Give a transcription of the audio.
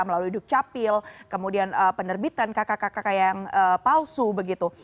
melalui dukcapil kemudian penerbitan kakak kakak yang palsu begitu